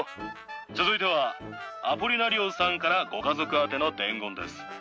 続いては、アポリナリオさんからご家族宛ての伝言です。